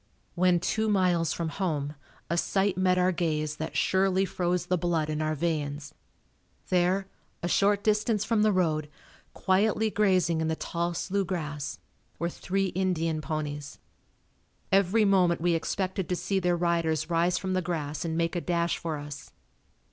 When two miles from home a sight met our gaze that surely froze the blood in our veins. There, a short distance from the road, quietly grazing in the tall slough grass, were three Indian ponies. Every moment we expected to see their riders rise from the grass and make a dash for us.